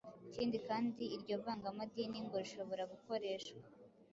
Ikindi kandi iryo vangandimi ngo rishobora gukoreshwa